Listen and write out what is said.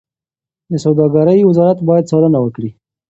د سوداګرۍ وزارت باید څارنه وکړي.